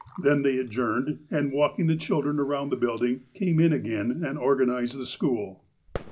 Then they adjourned, and walking the children around the building, came in again and organized the school.